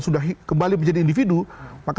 sudah kembali menjadi individu maka